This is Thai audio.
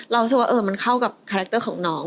เราจะว่าเออมันเข้ากับคาแรคเตอร์ของน้อง